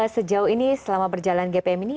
sejauh ini selama berjalan gpm ini